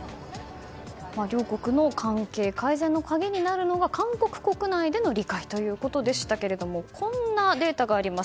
両国の関係改善の鍵になるのが韓国国内での理解ということでしたがこんなデータがあります。